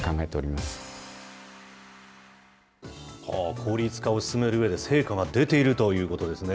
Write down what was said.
効率化を進めるうえで、成果が出ているということですね。